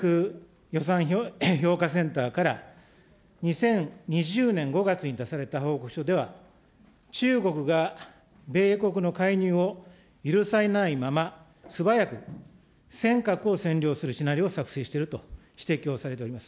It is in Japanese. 予算評価センターから、２０２０年５月に出された報告書では、中国が米国の介入を許さないまま、素早く尖閣を占領するシナリオを作成していると指摘をされております。